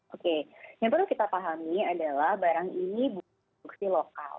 oke yang perlu kita pahami adalah barang ini produksi lokal